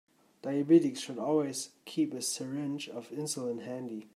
Diabetics should always keep a syringe of insulin handy.